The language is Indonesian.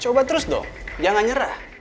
coba terus dong jangan nyerah